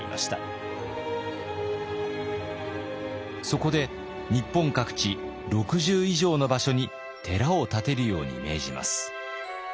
そこで日本各地６０以上の場所に寺を建てるように命じます。